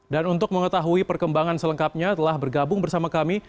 untuk mengetahui perkembangan selengkapnya telah bergabung bersama kami